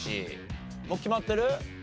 もう決まってる？